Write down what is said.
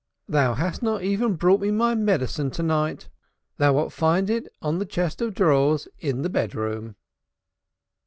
"Thou hast not even brought me my medicine to night. Thou wilt find, it on the chest of drawers in the bedroom."